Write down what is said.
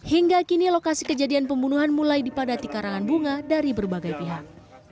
hingga kini lokasi kejadian pembunuhan mulai dipadati karangan bunga dari berbagai pihak